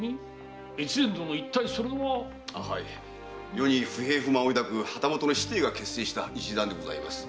世に不平不満を抱く旗本の子弟が結成した一団です。